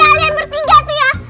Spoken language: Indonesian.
kalian ber tiga tuh ya